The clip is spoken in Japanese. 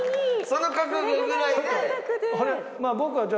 その覚悟ぐらいで。